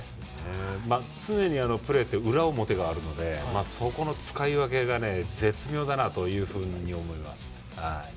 常にプレーって裏表があるのでそこの使い分けが絶妙だなというふうに思います。